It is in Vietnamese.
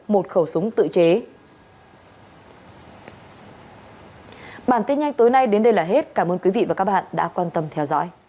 một khẩu súng tự chế